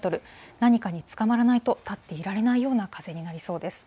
何かにつかまらないと立っていられないような風になりそうです。